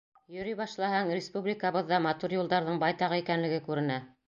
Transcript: Йөрөй башлаһаң, республикабыҙҙа матур юлдарҙың байтаҡ икәнлеге күренә.